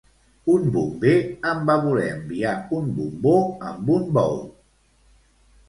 Un bomber em va voler enviar un bombó amb un bou.